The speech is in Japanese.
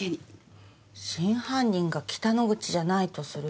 真犯人が北之口じゃないとすると誰か？